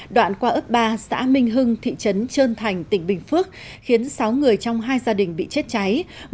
đoạn qua ấp ba xã minh hưng thị trấn trơn thành tỉnh bình phước khiến sáu người trong hai gia đình bị chết cháy